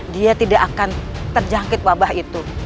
dia tidak akan terjangkit wabah itu